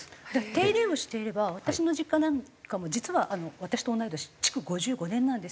手入れをしていれば私の実家なんかも実は私と同い年築５５年なんですよ。